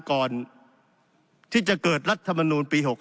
ก่อนที่จะเกิดรัฐมนูลปี๖๖